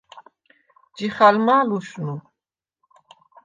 ჯიხალხმა̄ ლუშნუ?